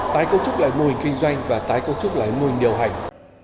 tái cấu trúc lại mô hình kinh doanh và tái cấu trúc lại mô hình điều hành